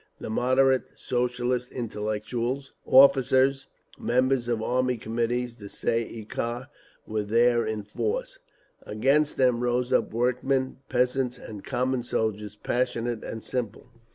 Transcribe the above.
The "moderate" Socialist intellectuals, officers, members of Army Committees, the Tsay ee kah, were there in force. Against them rose up workmen, peasants and common soldiers, passionate and simple.